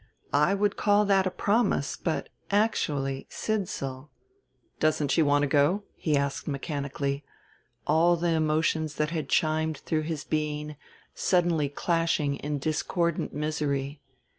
I would call that a promise, but actually, Sidsall ." "Doesn't she want to go?" he asked mechanically, all the emotions that had chimed through his being suddenly clashing in a discordant misery.